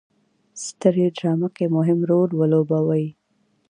سترې ډرامه کې مهم رول ولوبوي.